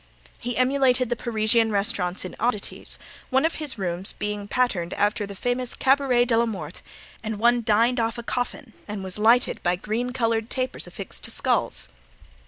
He emulated the Parisian restaurants in oddities, one of his rooms being patterned after the famous Cabaret de la Mort, and one dined off a coffin and was lighted by green colored tapers affixed to skulls.